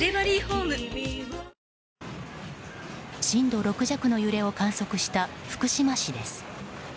震度６弱の揺れを観測した福島市です。